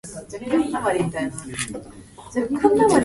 This type of oar is much better for long-range rowing.